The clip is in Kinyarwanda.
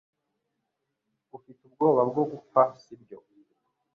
Ufite ubwoba bwo gupfa si byo